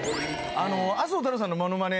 あの麻生太郎さんのモノマネ